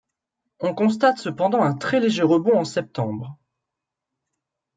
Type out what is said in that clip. On constate cependant un très léger rebond en septembre.